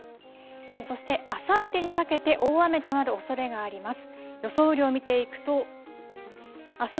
そして、あさってにかけて大雨となるおそれがあります。